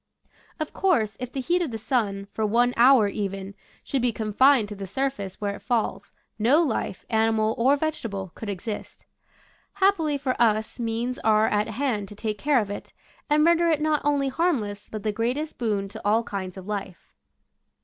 Of course, if the heat of the sun, for one hour even, should be confined to the surface where it falls, no life, animal or vegetable, could exist. Happily for us means are at hand to take care of it, and render it not only harmless but the greatest boon to all kinds of life.